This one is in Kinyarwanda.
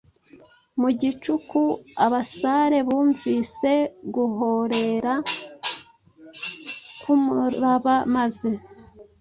mu gicuku” abasare bumvise guhorera k’umuraba maze